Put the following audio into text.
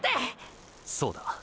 そうだ！！